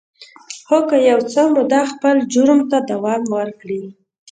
خو که یو څه موده خپل جرم ته دوام ورکړي